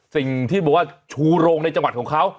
สิ่งที่บอกว่าชูโรงในจังหวัดของเขา